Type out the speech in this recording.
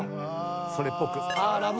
それっぽく。